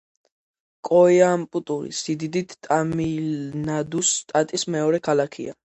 კოიამპუტური სიდიდით ტამილნადუს შტატის მეორე ქალაქია.